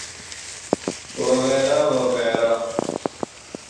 وغیرہ وغیرہ۔